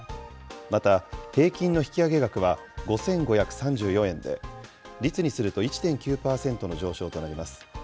また、平均の引き上げ額は５５３４円で、率にすると１．９％の上昇となります。